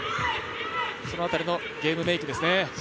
その辺りのゲームメークですね。